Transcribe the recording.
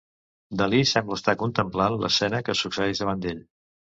Dalí sembla estar contemplant l'escena que succeeix davant d'ell.